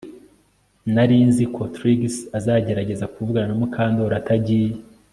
Nari nzi ko Trix azagerageza kuvugana na Mukandoli atagiye